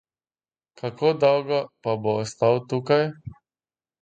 Kako dolgo pa bo ostal tukaj?